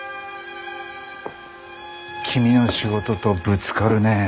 君の仕事とぶつかるねえ。